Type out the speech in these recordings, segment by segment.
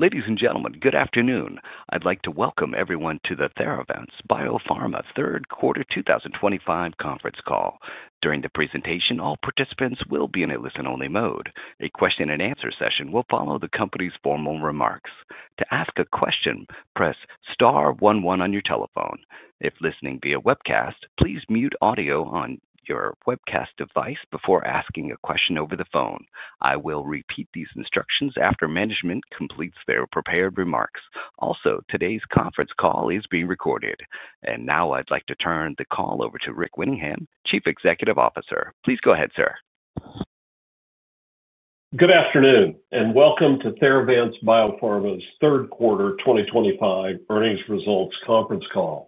Ladies and gentlemen, good afternoon. I'd like to welcome everyone to the Theravance Biopharma Q3 2025 conference call. During the presentation, all participants will be in a listen-only mode. A question and answer session will follow the company's formal remarks. To ask a question, press star one one on your telephone. If listening via webcast, please mute audio on your webcast device before asking a question over the phone. I will repeat these instructions after management completes their prepared remarks. Also, today's conference call is being recorded. Now I'd like to turn the call over to Rick Winningham, Chief Executive Officer. Please go ahead, sir. Good afternoon, and welcome to Theravance Biopharma's Q3 2025 earnings results conference call.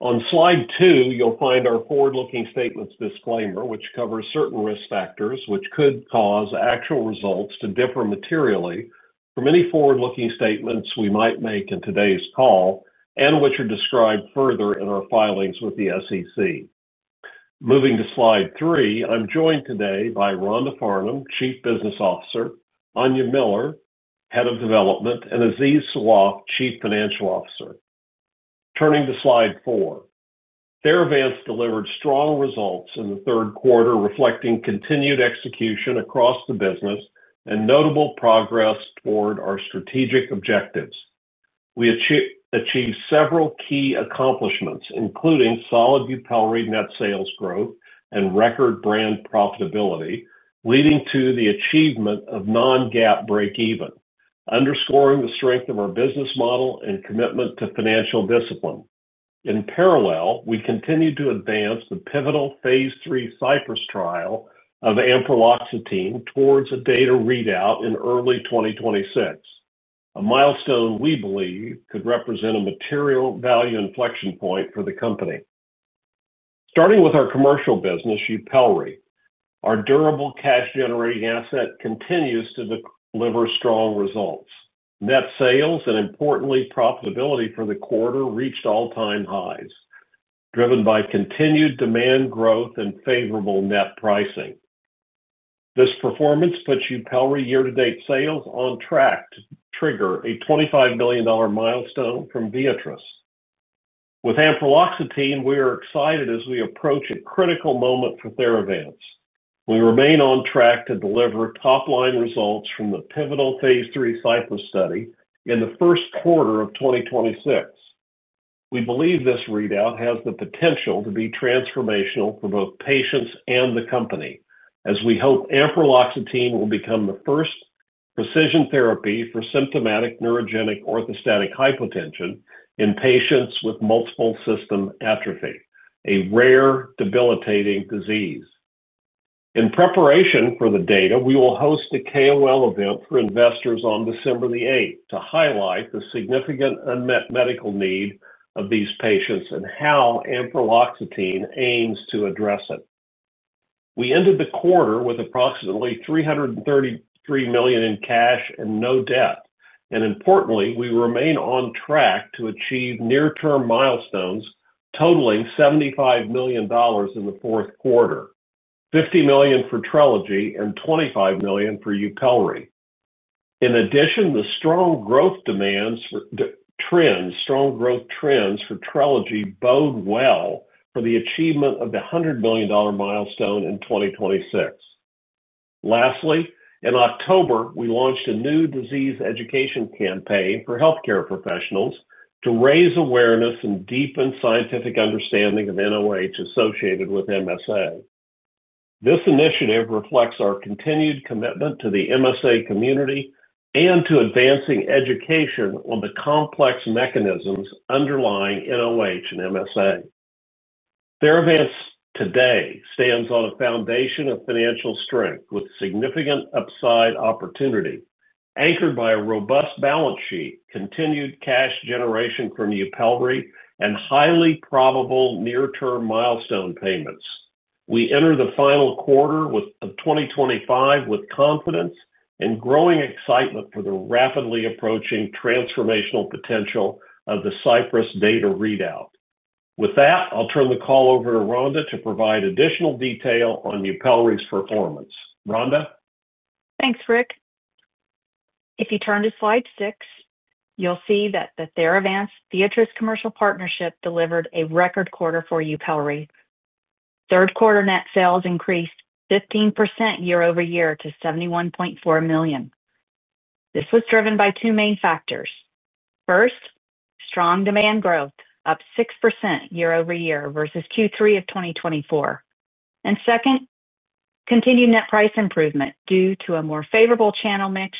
On slide two, you'll find our forward-looking statements disclaimer, which covers certain risk factors which could cause actual results to differ materially from any forward-looking statements we might make in today's call and which are described further in our filings with the SEC. Moving to slide three, I'm joined today by Rhonda Farnum, Chief Business Officer; Aine Miller, Head of Development; and Aziz Sawaf, Chief Financial Officer. Turning to slide four, Theravance delivered strong results in the third quarter, reflecting continued execution across the business and notable progress toward our strategic objectives. We achieved several key accomplishments, including solid YUPELRI net sales growth and record brand profitability, leading to the achievement of non-GAAP break-even, underscoring the strength of our business model and commitment to financial discipline. In parallel, we continue to advance the pivotal phase III CYPRESS trial of ampreloxetine towards a data readout in early 2026, a milestone we believe could represent a material value inflection point for the company. Starting with our commercial business, YUPELRI, our durable cash-generating asset continues to deliver strong results. Net sales and, importantly, profitability for the quarter reached all-time highs, driven by continued demand growth and favorable net pricing. This performance puts YUPELRI year-to-date sales on track to trigger a $25 million milestone from Viatris. With ampreloxetine, we are excited as we approach a critical moment for Theravance. We remain on track to deliver top-line results from the pivotal phase III CYPRESS study in the first quarter of 2026. We believe this readout has the potential to be transformational for both patients and the company, as we hope ampreloxetine will become the first precision therapy for symptomatic neurogenic orthostatic hypotension in patients with multiple system atrophy, a rare debilitating disease. In preparation for the data, we will host a KOL event for investors on December 8th to highlight the significant unmet medical need of these patients and how ampreloxetine aims to address it. We ended the quarter with approximately $333 million in cash and no debt. Importantly, we remain on track to achieve near-term milestones totaling $75 million in the fourth quarter, $50 million for Trelegy and $25 million for YUPELRI. In addition, the strong growth trends for Trelegy bode well for the achievement of the $100 million milestone in 2026. Lastly, in October, we launched a new disease education campaign for healthcare professionals to raise awareness and deepen scientific understanding of NOH associated with MSA. This initiative reflects our continued commitment to the MSA community and to advancing education on the complex mechanisms underlying NOH and MSA. Theravance today stands on a foundation of financial strength with significant upside opportunity, anchored by a robust balance sheet, continued cash generation from YUPELRI, and highly probable near-term milestone payments. We enter the final quarter of 2025 with confidence and growing excitement for the rapidly approaching transformational potential of the CYPRESS data readout. With that, I'll turn the call over to Rhonda to provide additional detail on YUPELRI's performance. Rhonda? Thanks, Rick. If you turn to slide six, you'll see that the Theravance Viatris commercial partnership delivered a record quarter for YUPELRI. Third quater net sales increased 15% year-over-year to $71.4 million. This was driven by two main factors. First, strong demand growth, up 6% year-over-year versus Q3 of 2024. Second, continued net price improvement due to a more favorable channel mix,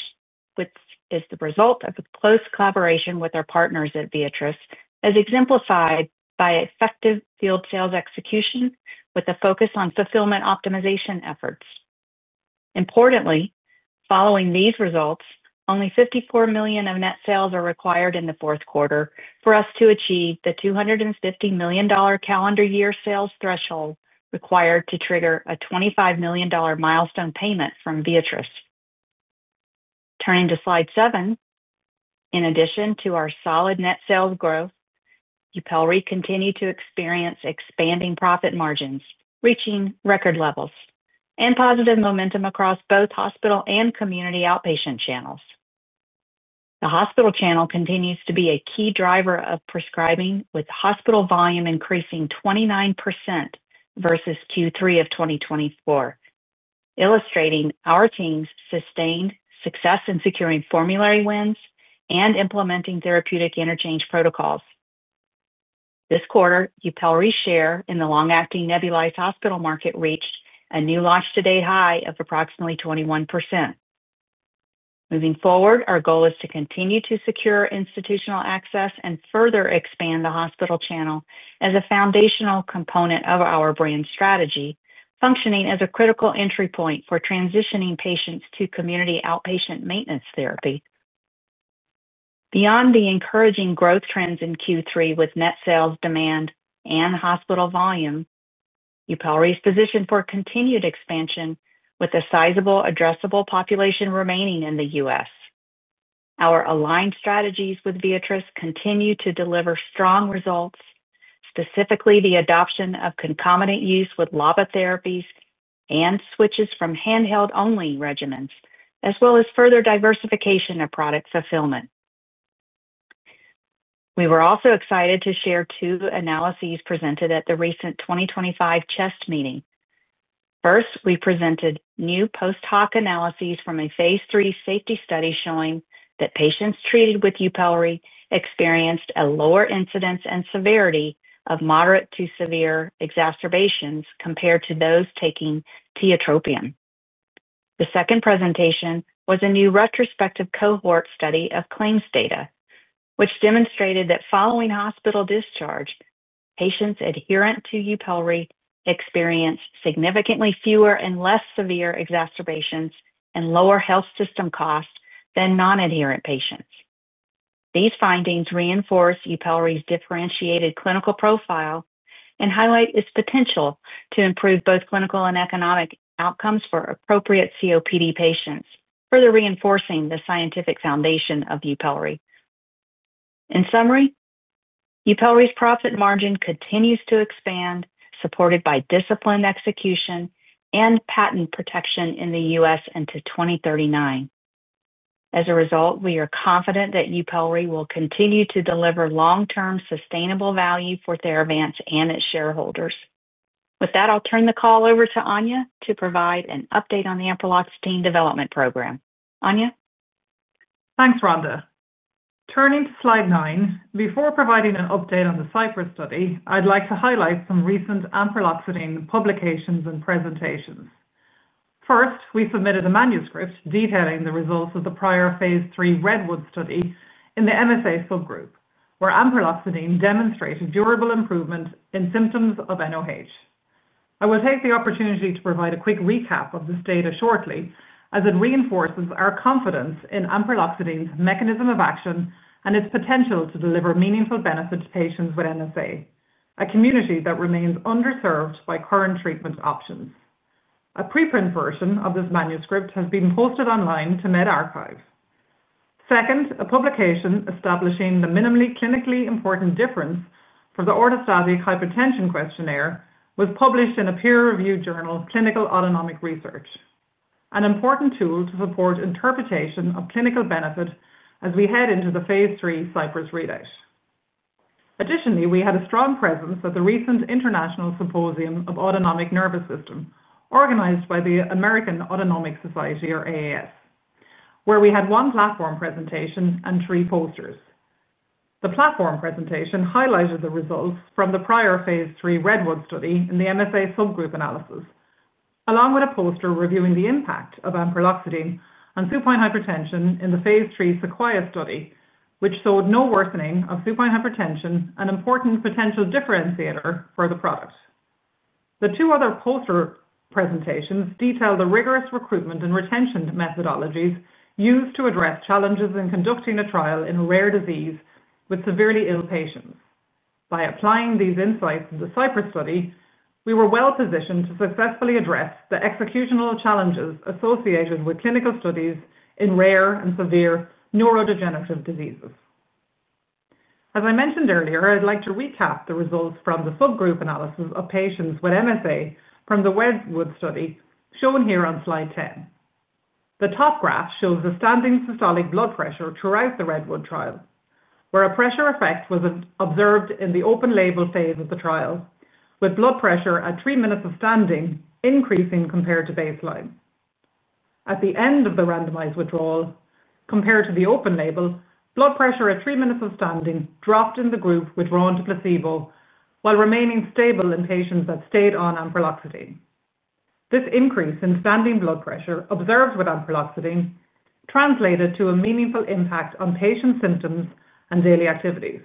which is the result of a close collaboration with our partners at Viatris, as exemplified by effective field sales execution with a focus on fulfillment optimization efforts. Importantly, following these results, only $54 million of net sales are required in the fourth quarter for us to achieve the $250 million calendar year sales threshold required to trigger a $25 million milestone payment from Viatris. Turning to slide seven, in addition to our solid net sales growth, YUPELRI continued to experience expanding profit margins, reaching record levels and positive momentum across both hospital and community outpatient channels. The hospital channel continues to be a key driver of prescribing, with hospital volume increasing 29% versus Q3 of 2024, illustrating our team's sustained success in securing formulary wins and implementing therapeutic interchange protocols. This quarter, YUPELRI's share in the long-acting nebulized hospital market reached a new launch-to-date high of approximately 21%. Moving forward, our goal is to continue to secure institutional access and further expand the hospital channel as a foundational component of our brand strategy, functioning as a critical entry point for transitioning patients to community outpatient maintenance therapy. Beyond the encouraging growth trends in Q3 with net sales demand and hospital volume, YUPELRI is positioned for continued expansion with a sizable, addressable population remaining in the U.S. Our aligned strategies with Viatris continue to deliver strong results, specifically the adoption of concomitant use with LABA therapies and switches from handheld-only regimens, as well as further diversification of product fulfillment. We were also excited to share two analyses presented at the recent 2025 CHEST meeting. First, we presented new post-hoc analyses from a phase III safety study showing that patients treated with YUPELRI experienced a lower incidence and severity of moderate to severe exacerbations compared to those taking tiotropium. The second presentation was a new retrospective cohort study of claims data, which demonstrated that following hospital discharge, patients adherent to YUPELRI experienced significantly fewer and less severe exacerbations and lower health system costs than non-adherent patients. These findings reinforce YUPELRI's differentiated clinical profile and highlight its potential to improve both clinical and economic outcomes for appropriate COPD patients, further reinforcing the scientific foundation of YUPELRI. In summary, YUPELRI's profit margin continues to expand, supported by disciplined execution and patent protection in the U.S. into 2039. As a result, we are confident that YUPELRI will continue to deliver long-term sustainable value for Theravance and its shareholders. With that, I'll turn the call over to Aine to provide an update on the ampreloxetine development program. Aine? Thanks, Rhonda. Turning to slide nine, before providing an update on the CYPRESS study, I'd like to highlight some recent ampreloxetine publications and presentations. First, we submitted a manuscript detailing the results of the prior phase III REDWOOD study in the MSA subgroup, where ampreloxetine demonstrated durable improvement in symptoms of NOH. I will take the opportunity to provide a quick recap of this data shortly, as it reinforces our confidence in ampreloxetine's mechanism of action and its potential to deliver meaningful benefit to patients with MSA, a community that remains underserved by current treatment options. A preprint version of this manuscript has been posted online to medRxiv. Second, a publication establishing the minimally clinically important difference for the orthostatic hypotension questionnaire was published in a peer-reviewed journal, Clinical Autonomic Research, an important tool to support interpretation of clinical benefit as we head into the phase III CYPRESS readout. Additionally, we had a strong presence at the recent International Symposium of Autonomic Nervous System organized by the American Autonomic Society, or AAS, where we had one platform presentation and three posters. The platform presentation highlighted the results from the prior phase III REDWOOD Study in the MSA subgroup analysis, along with a poster reviewing the impact of ampreloxetine on supine hypertension in the phase III SEQUOIA study, which showed no worsening of supine hypertension, an important potential differentiator for the product. The two other poster presentations detailed the rigorous recruitment and retention methodologies used to address challenges in conducting a trial in a rare disease with severely ill patients. By applying these insights in the CYPRESS study, we were well positioned to successfully address the executional challenges associated with clinical studies in rare and severe neurodegenerative diseases. As I mentioned earlier, I'd like to recap the results from the subgroup analysis of patients with MSA from the REDWOOD Study shown here on slide 10. The top graph shows the standing systolic blood pressure throughout the REDWOOD Trial, where a pressure effect was observed in the open-label phase of the trial, with blood pressure at three minutes of standing increasing compared to baseline. At the end of the randomized withdrawal, compared to the open label, blood pressure at three minutes of standing dropped in the group withdrawn to placebo while remaining stable in patients that stayed on ampreloxetine. This increase in standing blood pressure observed with ampreloxetine translated to a meaningful impact on patient symptoms and daily activities.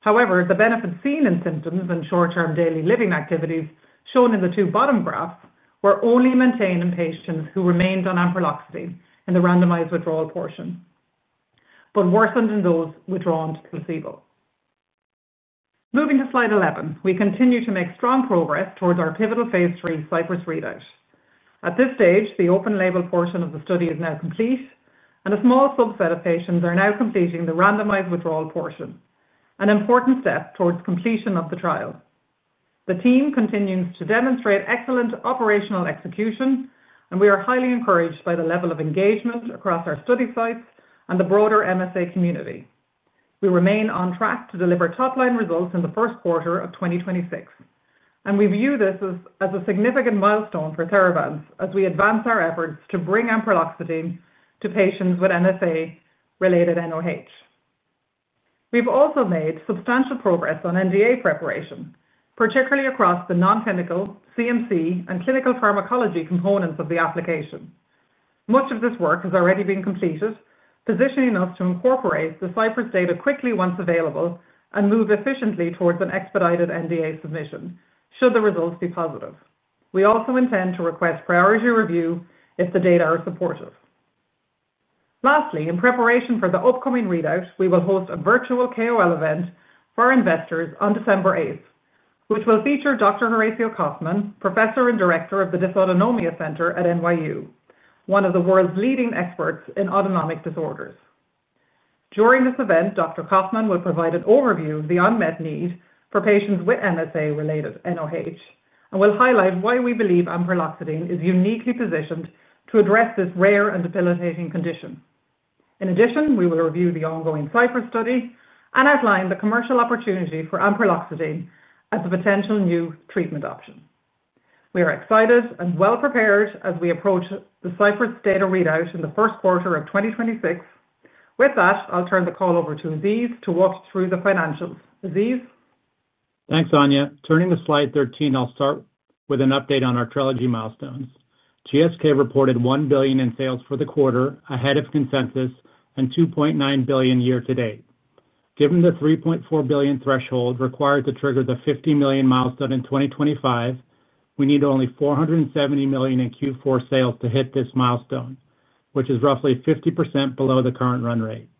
However, the benefits seen in symptoms and short-term daily living activities shown in the two bottom graphs were only maintained in patients who remained on ampreloxetine in the randomized withdrawal portion, but worsened in those withdrawn to placebo. Moving to slide 11, we continue to make strong progress towards our pivotal phase III CYPRESS readout. At this stage, the open-label portion of the study is now complete, and a small subset of patients are now completing the randomized withdrawal portion, an important step towards completion of the trial. The team continues to demonstrate excellent operational execution, and we are highly encouraged by the level of engagement across our study sites and the broader MSA community. We remain on track to deliver top-line results in the first quarter of 2026, and we view this as a significant milestone for Theravance as we advance our efforts to bring ampreloxetine to patients with MSA-related NOH. We've also made substantial progress on NDA preparation, particularly across the non-clinical, CMC, and clinical pharmacology components of the application. Much of this work has already been completed, positioning us to incorporate the CYPRESS data quickly once available and move efficiently towards an expedited NDA submission should the results be positive. We also intend to request priority review if the data are supportive. Lastly, in preparation for the upcoming readout, we will host a virtual KOL event for our investors on December 8th, which will feature Dr. Horacio Kaufman, Professor and Director of the Dysautonomia Center at NYU, one of the world's leading experts in autonomic disorders. During this event, Dr. Kaufman will provide an overview of the unmet need for patients with MSA-related NOH and will highlight why we believe ampreloxetine is uniquely positioned to address this rare and debilitating condition. In addition, we will review the ongoing CYPRESS study and outline the commercial opportunity for ampreloxetine as a potential new treatment option. We are excited and well prepared as we approach the CYPRESS data readout in the first quarter of 2026. With that, I'll turn the call over to Aziz to walk us through the financials. Aziz? Thanks, Aine. Turning to slide 13, I'll start with an update on our Trelegy milestones. GSK reported $1 billion in sales for the quarter ahead of consensus and $2.9 billion year-to-date. Given the $3.4 billion threshold required to trigger the $50 million milestone in 2025, we need only $470 million in Q4 sales to hit this milestone, which is roughly 50% below the current run rate.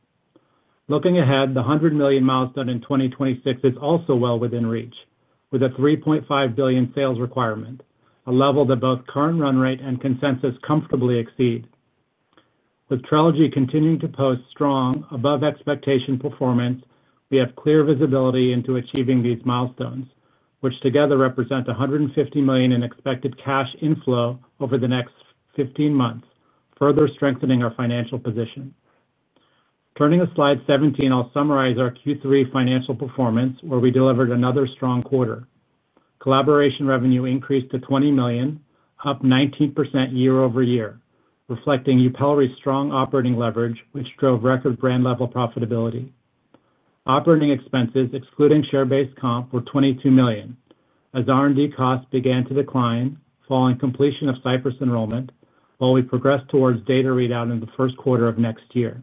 Looking ahead, the $100 million milestone in 2026 is also well within reach, with a $3.5 billion sales requirement, a level that both current run rate and consensus comfortably exceed. With Trelegy continuing to post strong, above-expectation performance, we have clear visibility into achieving these milestones, which together represent $150 million in expected cash inflow over the next 15 months, further strengthening our financial position. Turning to slide 17, I'll summarize our Q3 financial performance, where we delivered another strong quarter. Collaboration revenue increased to $20 million, up 19% year-over-year, reflecting YUPELRI's strong operating leverage, which drove record brand-level profitability. Operating expenses, excluding share-based comp, were $22 million, as R&D costs began to decline, following completion of CYPRESS enrollment, while we progressed towards data readout in the first quarter of next year.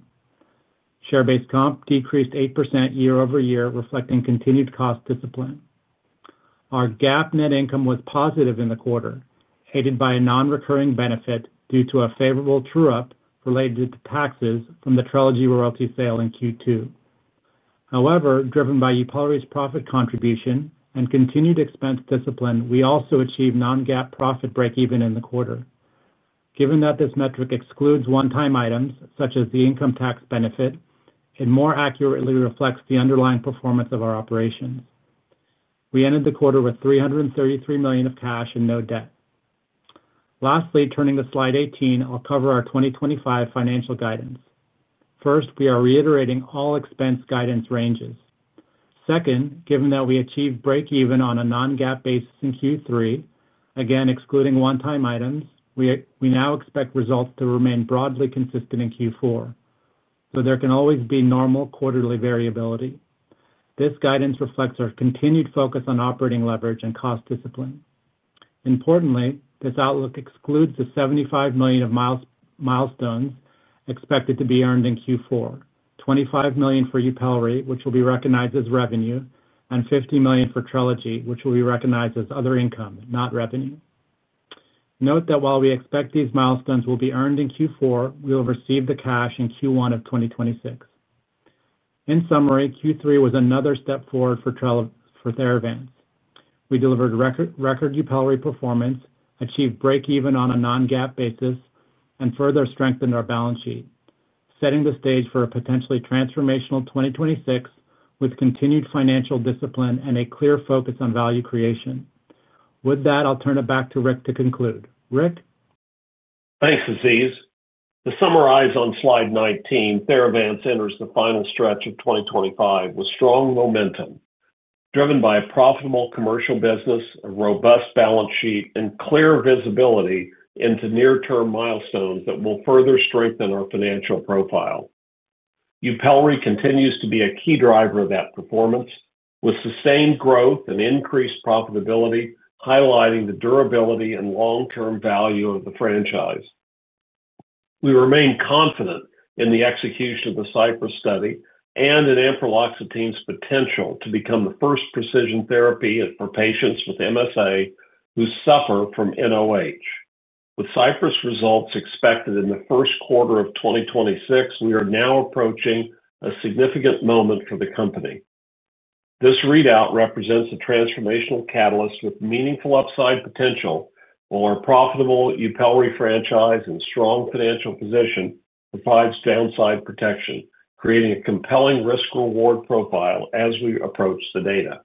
Share-based comp decreased 8% year-over-year, reflecting continued cost discipline. Our GAAP net income was positive in the quarter, aided by a non-recurring benefit due to a favorable true-up related to taxes from the Trelegy royalty sale in Q2. However, driven by YUPELRI's profit contribution and continued expense discipline, we also achieved non-GAAP profit break-even in the quarter. Given that this metric excludes one-time items, such as the income tax benefit, it more accurately reflects the underlying performance of our operations. We ended the quarter with $333 million of cash and no debt. Lastly, turning to slide 18, I'll cover our 2025 financial guidance. First, we are reiterating all expense guidance ranges. Second, given that we achieved break-even on a non-GAAP basis in Q3, again excluding one-time items, we now expect results to remain broadly consistent in Q4, though there can always be normal quarterly variability. This guidance reflects our continued focus on operating leverage and cost discipline. Importantly, this outlook excludes the $75 million of milestones expected to be earned in Q4, $25 million for YUPELRI, which will be recognized as revenue, and $50 million for Trelegy, which will be recognized as other income, not revenue. Note that while we expect these milestones will be earned in Q4, we will receive the cash in Q1 of 2026. In summary, Q3 was another step forward for Theravance. We delivered record YUPELRI performance, achieved break-even on a non-GAAP basis, and further strengthened our balance sheet, setting the stage for a potentially transformational 2026 with continued financial discipline and a clear focus on value creation. With that, I'll turn it back to Rick to conclude. Rick? Thanks, Aziz. To summarize on slide 19, Theravance enters the final stretch of 2025 with strong momentum, driven by a profitable commercial business, a robust balance sheet, and clear visibility into near-term milestones that will further strengthen our financial profile. YUPELRI continues to be a key driver of that performance, with sustained growth and increased profitability highlighting the durability and long-term value of the franchise. We remain confident in the execution of the CYPRESS study and in ampreloxetine's potential to become the first precision therapy for patients with MSA who suffer from NOH. With CYPRESS results expected in the first quarter of 2026, we are now approaching a significant moment for the company. This readout represents a transformational catalyst with meaningful upside potential while our profitable YUPELRI franchise and strong financial position provide downside protection, creating a compelling risk-reward profile as we approach the data.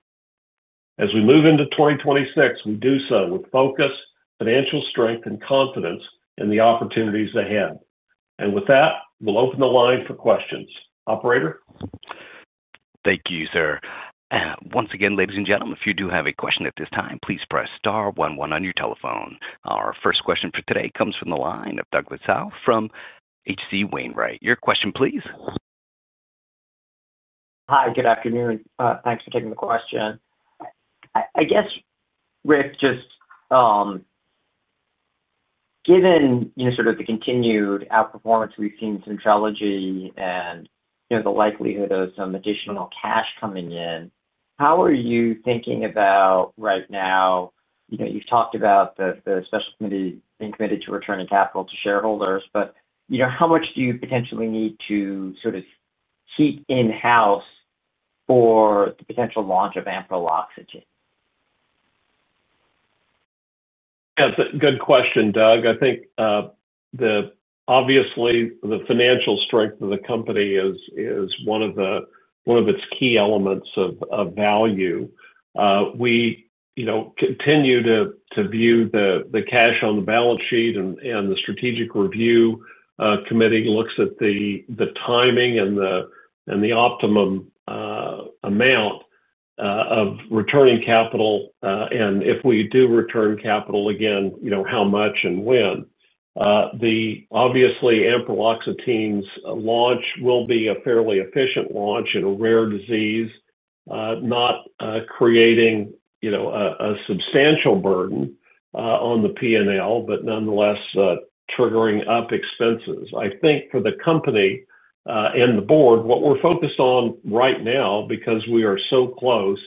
As we move into 2026, we do so with focus, financial strength, and confidence in the opportunities ahead. With that, we'll open the line for questions. Operator? Thank you, sir. Once again, ladies and gentlemen, if you do have a question at this time, please press star one one on your telephone. Our first question for today comes from the line of Douglas Tsao from H.C. Wainwright. Your question, please. Hi, good afternoon. Thanks for taking the question. I guess, Rick, just given sort of the continued outperformance we've seen from Trelegy and the likelihood of some additional cash coming in, how are you thinking about right now? You've talked about the special committee being committed to returning capital to shareholders, but how much do you potentially need to sort of keep in-house for the potential launch of ampreloxetine? Yeah, it's a good question, Doug. I think, obviously, the financial strength of the company is one of its key elements of value. We continue to view the cash on the balance sheet, and the Strategic Review Committee looks at the timing and the optimum amount of returning capital, and if we do return capital again, how much and when. Obviously, ampreloxetine's launch will be a fairly efficient launch in a rare disease, not creating a substantial burden on the P&L, but nonetheless triggering up expenses. I think for the company and the board, what we're focused on right now, because we are so close,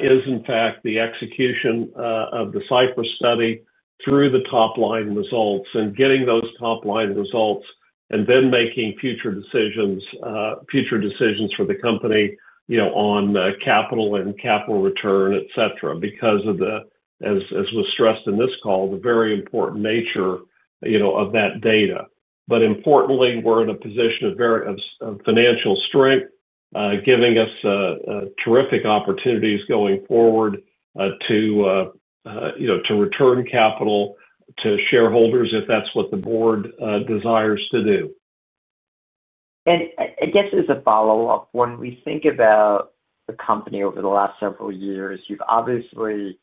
is, in fact, the execution of the CYPRESS study through the top-line results and getting those top-line results and then making future decisions for the company on capital and capital return, etc., because of the, as was stressed in this call, the very important nature of that data. Importantly, we're in a position of financial strength, giving us terrific opportunities going forward to return capital to shareholders if that's what the board desires to do. I guess as a follow-up, when we think about the company over the last several years, you've obviously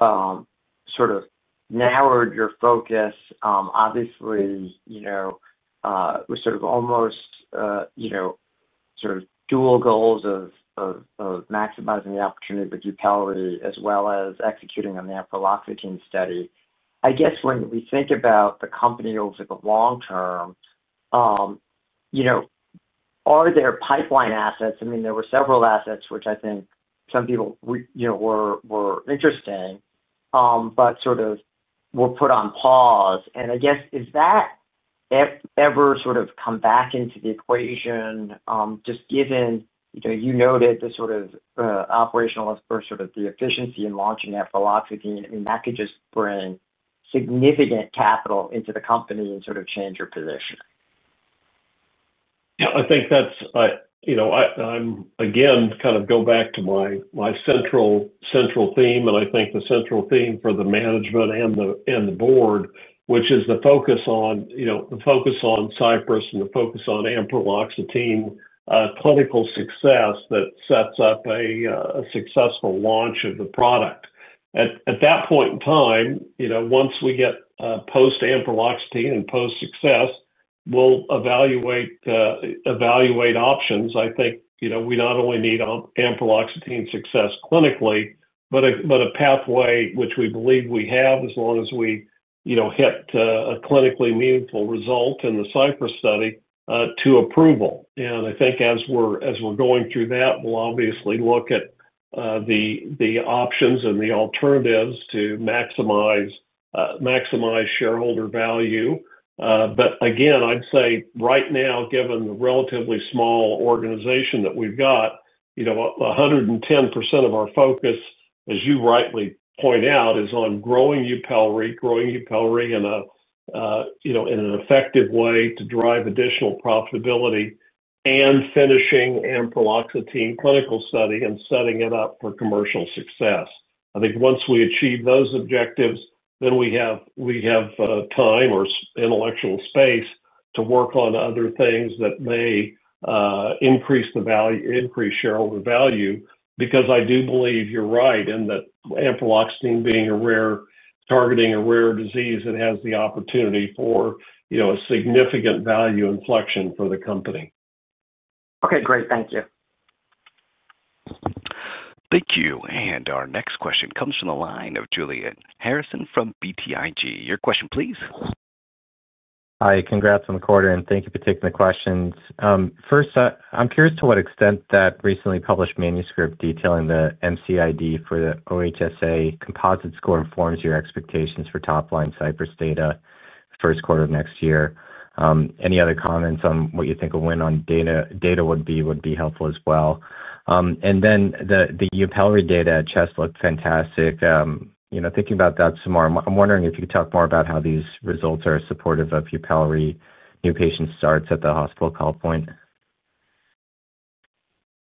sort of narrowed your focus. Obviously, we're sort of almost sort of dual goals of maximizing the opportunity with YUPELRI as well as executing on the ampreloxetine study. I guess when we think about the company over the long term, are there pipeline assets? I mean, there were several assets which I think some people were interested in, but sort of were put on pause. I guess, has that ever sort of come back into the equation? Just given you noted the sort of operational effort, sort of the efficiency in launching ampreloxetine, I mean, that could just bring significant capital into the company and sort of change your position. Yeah, I think that's again, kind of go back to my central theme, and I think the central theme for the management and the board, which is the focus on CYPRESS and the focus on ampreloxetine clinical success that sets up a successful launch of the product. At that point in time, once we get post-ampreloxetine and post-success, we'll evaluate options. I think we not only need ampreloxetine success clinically, but a pathway which we believe we have as long as we hit a clinically meaningful result in the CYPRESS study to approval. I think as we're going through that, we'll obviously look at the options and the alternatives to maximize shareholder value. Again, I'd say right now, given the relatively small organization that we've got, 110% of our focus, as you rightly point out, is on growing YUPELRI, growing YUPELRI in an effective way to drive additional profitability and finishing ampreloxetine clinical study and setting it up for commercial success. I think once we achieve those objectives, we have time or intellectual space to work on other things that may increase shareholder value, because I do believe you're right in that ampreloxetine being a rare targeting a rare disease that has the opportunity for a significant value inflection for the company. Okay, great. Thank you. Thank you. Our next question comes from the line of Julian Harrison from BTIG. Your question, please. Hi, congrats on the quarter, and thank you for taking the questions. First, I'm curious to what extent that recently published manuscript detailing the MCID for the OHSA composite score informs your expectations for top-line CYPRESS data first quarter of next year. Any other comments on what you think a win on data would be helpful as well? The YUPELRI data at CHEST looked fantastic. Thinking about that some more, I'm wondering if you could talk more about how these results are supportive of YUPELRI new patient starts at the hospital call point.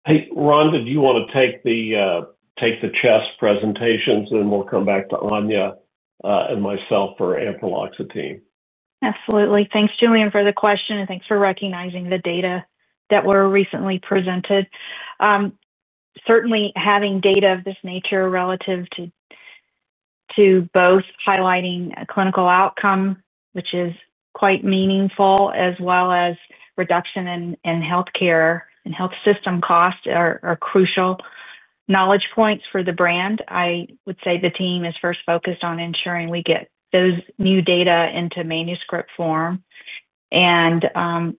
Hey, Rhonda, do you want to take the CHEST presentations, and then we'll come back to Aine and myself for ampreloxetine? Absolutely. Thanks, Julian, for the question, and thanks for recognizing the data that were recently presented. Certainly, having data of this nature relative to both highlighting a clinical outcome, which is quite meaningful, as well as reduction in healthcare and health system costs, are crucial knowledge points for the brand. I would say the team is first focused on ensuring we get those new data into manuscript form, and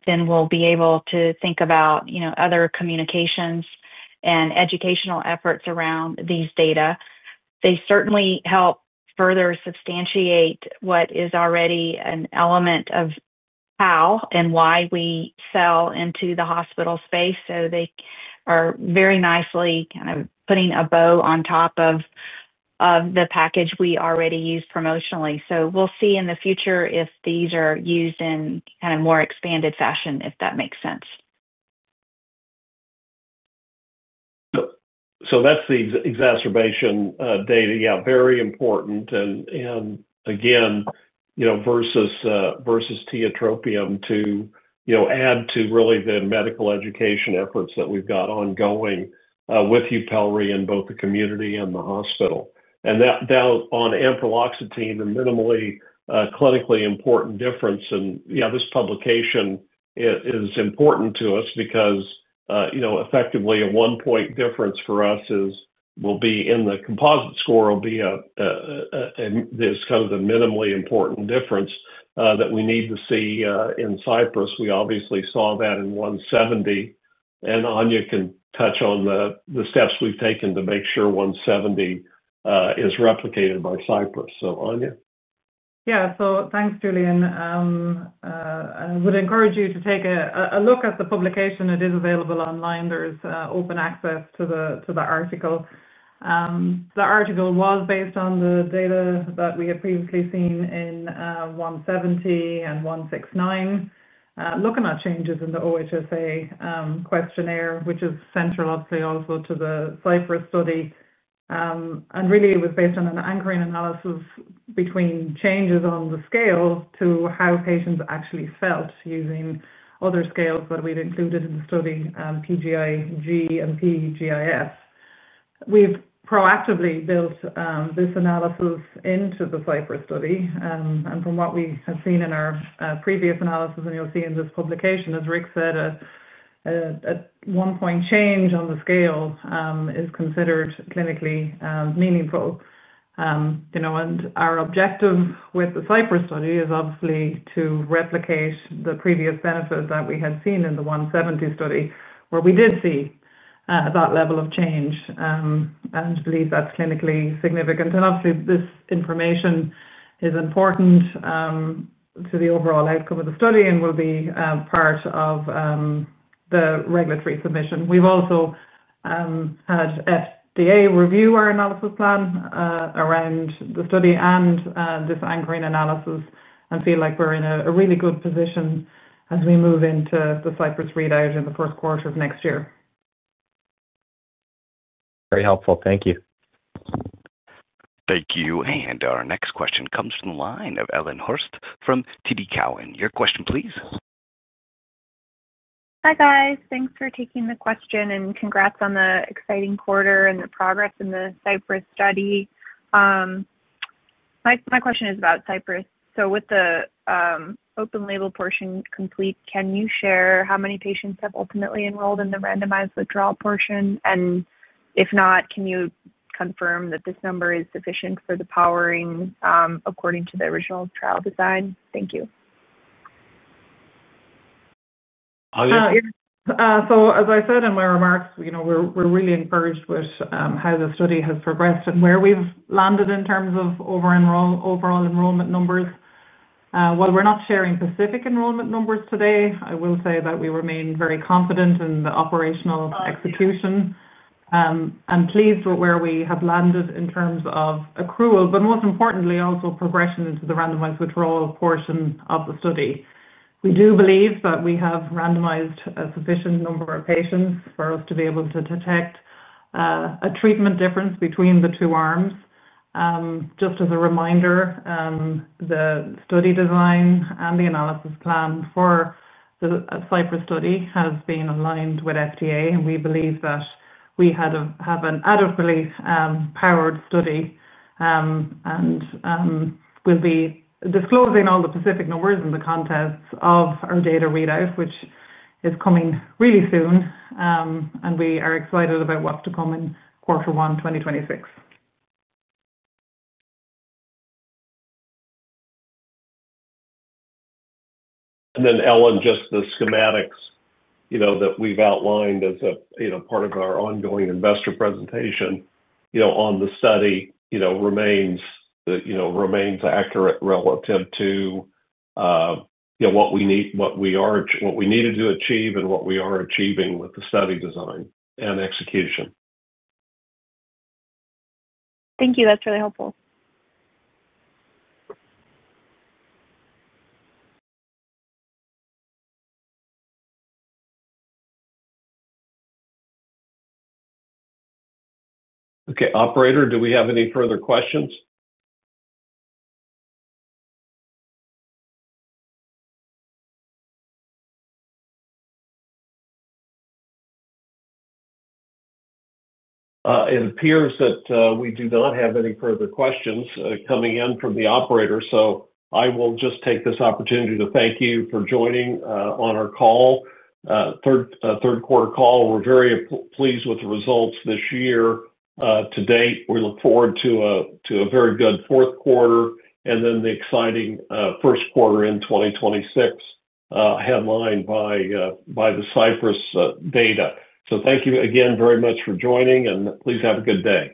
then we'll be able to think about other communications and educational efforts around these data. They certainly help further substantiate what is already an element of how and why we sell into the hospital space. They are very nicely kind of putting a bow on top of the package we already use promotionally. We will see in the future if these are used in kind of more expanded fashion, if that makes sense. That is the exacerbation data. Yeah, very important. Again, versus tiotropium to add to really the medical education efforts that we have ongoing with YUPELRI in both the community and the hospital. Now on ampreloxetine, the minimally clinically important difference, and yeah, this publication is important to us because effectively a one-point difference for us will be in the composite score, will be this kind of the minimally important difference that we need to see in CYPRESS. We obviously saw that in 170, and Aine can touch on the steps we have taken to make sure 170 is replicated by CYPRESS. Aine? Yeah, so thanks, Julian. I would encourage you to take a look at the publication. It is available online. There's open access to the article. The article was based on the data that we had previously seen in 170 and 169, looking at changes in the OHSA questionnaire, which is central, obviously, also to the CYPRESS study. It was based on an anchoring analysis between changes on the scale to how patients actually felt using other scales that we'd included in the study, PGIG and PGIS. We've proactively built this analysis into the CYPRESS study. From what we have seen in our previous analysis, and you'll see in this publication, as Rick said, a one-point change on the scale is considered clinically meaningful. Our objective with the CYPRESS study is obviously to replicate the previous benefit that we had seen in the 170 study, where we did see that level of change. I believe that's clinically significant. Obviously, this information is important to the overall outcome of the study and will be part of the regulatory submission. We've also had FDA review our analysis plan around the study and this anchoring analysis, and feel like we're in a really good position as we move into the CYPRESS readout in the first quarter of next year. Very helpful. Thank you. Thank you. Our next question comes from the line of Ellen Horste from TD Cowen. Your question, please. Hi guys. Thanks for taking the question, and congrats on the exciting quarter and the progress in the CYPRESS study. My question is about CYPRESS. With the open label portion complete, can you share how many patients have ultimately enrolled in the randomized withdrawal portion? If not, can you confirm that this number is sufficient for the powering according to the original trial design? Thank you. Aine. As I said in my remarks, we're really encouraged with how the study has progressed and where we've landed in terms of overall enrollment numbers. While we're not sharing specific enrollment numbers today, I will say that we remain very confident in the operational execution and pleased with where we have landed in terms of accrual, but most importantly, also progression into the randomized withdrawal portion of the study. We do believe that we have randomized a sufficient number of patients for us to be able to detect a treatment difference between the two arms. Just as a reminder, the study design and the analysis plan for the CYPRESS study has been aligned with FDA, and we believe that we have an adequately powered study. We will be disclosing all the specific numbers and the contents of our data readout, which is coming really soon, and we are excited about what's to come in quarter one 2026. Ellen, just the schematics that we've outlined as a part of our ongoing investor presentation on the study remains accurate relative to what we need to achieve and what we are achieving with the study design and execution. Thank you. That's really helpful. Okay, operator, do we have any further questions? It appears that we do not have any further questions coming in from the operator, so I will just take this opportunity to thank you for joining on our call, third quarter call. We're very pleased with the results this year to date. We look forward to a very good fourth quarter and then the exciting first quarter in 2026 headlined by the CYPRESS data. Thank you again very much for joining, and please have a good day.